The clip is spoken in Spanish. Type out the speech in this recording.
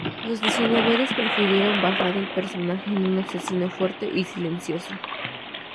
Los diseñadores prefirieron basar el personaje en un asesino fuerte y silencioso.